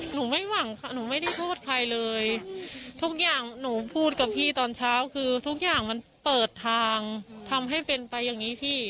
ไม่หวังค่ะหนูไม่ได้โทษใครเลยทุกอย่างหนูพูดกับพี่ตอนเช้าคือทุกอย่างมันเปิดทางทำให้เป็นไปอย่างนี้พี่